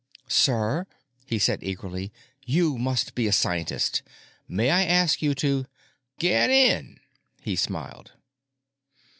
"Sir," he said eagerly, "you must be a scientist. May I ask you to——" "Get in," he smiled.